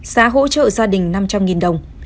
xã hỗ trợ gia đình năm trăm linh đồng